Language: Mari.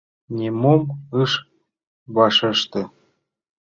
Нимом ыш вашеште.